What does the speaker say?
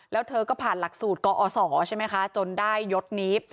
แล้วเธอก็ผ่านหลักสูตรกอศใช่ไหมคะจนได้ยศนี้